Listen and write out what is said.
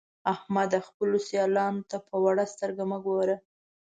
احمده! خپلو سيالانو ته په وړه سترګه مه ګوه.